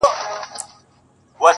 قلاګانو کي په جګو تعمیرو کي؛